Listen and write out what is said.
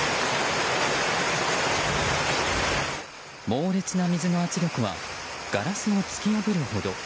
猛烈な水の圧力はガラスを突き破るほど。